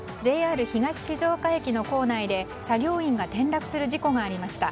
東静岡駅の構内で作業員が転落する事故がありました。